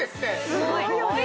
すごいね。